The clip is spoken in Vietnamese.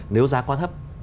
nếu giá quá thấp